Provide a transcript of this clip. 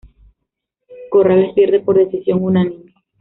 Corrales pierde por decisión unánime.